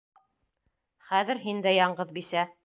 Хәҙер һин дә яңғыҙ бисә.